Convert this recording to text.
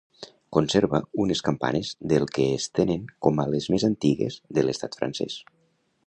Conserva unes campanes del que es tenen com a les més antigues de l'estat francès.